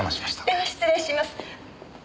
では失礼します。